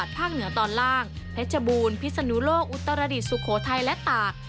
เพชบูรณ์พิสนุโลกอุตรรดิสุโขไทยและตาก